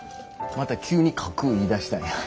また急に書く言いだしたんや。